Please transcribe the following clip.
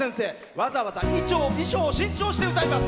わざわざ衣装を新調して歌います。